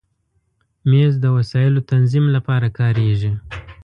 مېز د وسایلو تنظیم لپاره کارېږي.